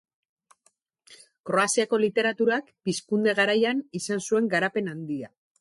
Kroaziako literaturak pizkunde garaian izan zuen garapen handia.